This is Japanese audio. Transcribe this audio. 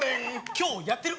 今日やってる？